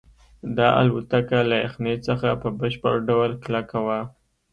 دا الوتکه له یخنۍ څخه په بشپړ ډول کلکه وه